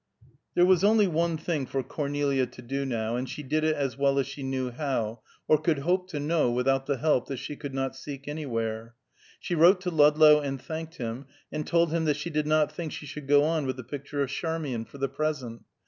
There was only one thing for Cornelia to do now, and she did it as well as she knew how, or could hope to know without the help that she could not seek anywhere. She wrote to Ludlow and thanked him, and told him that she did not think she should go on with the picture of Charmian, for the present.